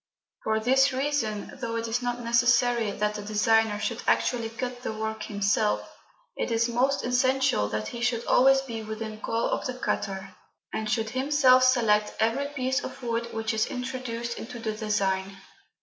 For this reason, though it is not necessary that the designer should actually cut the work himself, it is most essential that he should always be within call of the cutter, and should himself select every piece of wood which is introduced into the design.